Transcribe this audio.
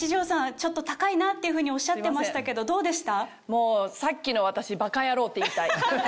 ちょっと高いなっていうふうにおっしゃってましたけどどうでした？って言いたい。